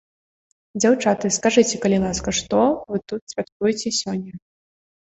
Дзяўчаты, скажыце, калі ласка, што вы тут святкуеце сёння?